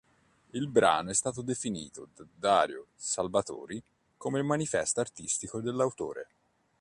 Il brano è stato definito da Dario Salvatori come il manifesto artistico dell'autore.